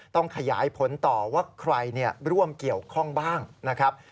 ต้องขยายผลต่อว่าใครร่วมเกี่ยวข้องบ้างนะครับ